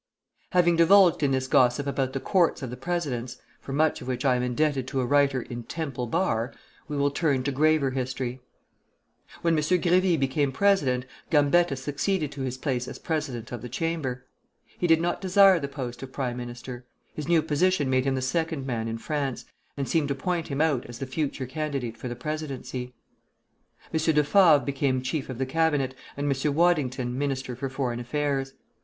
Having indulged in this gossip about the courts of the presidents (for much of which I am indebted to a writer in "Temple Bar"), we will turn to graver history. When M. Grévy became president, Gambetta succeeded to his place as president of the Chamber. He did not desire the post of prime minister. His new position made him the second man in France, and seemed to point him out as the future candidate for the presidency. M. Defavre became chief of the Cabinet, and M. Waddington Minister for Foreign Affairs.